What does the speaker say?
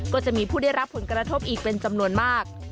ก็จะมีผู้ได้รับผลกระทบอีกเป็นจำนวนมาก